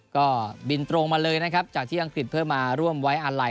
ก็บินตรงมาเลยนะครับจากที่อังกฤษเพื่อมาร่วมไว้อาลัย